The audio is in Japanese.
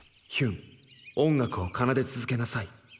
「ヒュン音楽を奏で続けなさい。